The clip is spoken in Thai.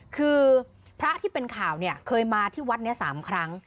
คือพระที่เป็นข่าวเนี่ยเคยมาที่วัดนี้๓ครั้ง